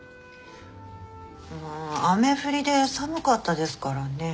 雨降りで寒かったですからね